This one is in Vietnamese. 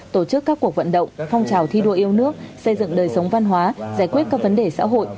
tổ chức các cuộc vận động phong trào thi đua yêu nước xây dựng đời sống văn hóa giải quyết các vấn đề xã hội